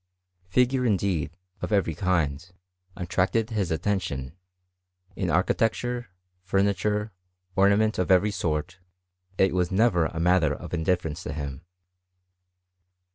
Figure indeed, of every kind, attracted his attention ; in architecture, furniture, ornament of every sort, it was never a matter of indifference to him.